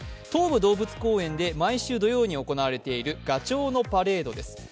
東武動物公園で毎週土曜に行われているガチョウのパレードです。